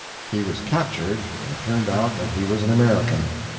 He was captured and it turned out that he was an American.